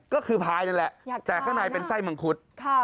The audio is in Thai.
ก็คือพายนั่นแหละแต่ข้างในเป็นไส้มังคุด